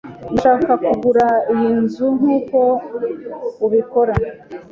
Ndashaka kugura iyi nzu nkuko ubikora.